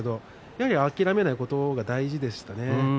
やはり諦めないことは大事ですね。